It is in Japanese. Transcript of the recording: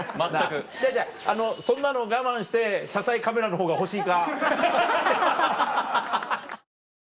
違う違うそんなの我慢して車載カメラのほうが欲しいか？